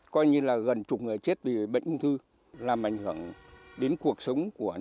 coi như là gần chục người chết vì bệnh ung thư làm ảnh hưởng đến cuộc sống của nó